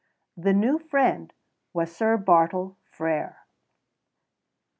The new friend was Sir Bartle Frere.